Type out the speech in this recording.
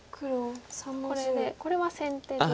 これでこれは先手ですね。